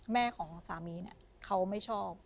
แม่ของสามีเนี่ยเขาไม่ชอบ